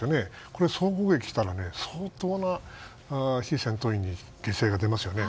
これは総攻撃したら相当非戦闘員に犠牲が出ますよね。